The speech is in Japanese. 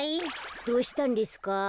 どうしたんですか？